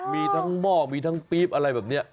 มีทั้งหม้อมีทั้งปี๊บอะไรแบบนี้